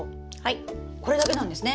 これだけなんですね。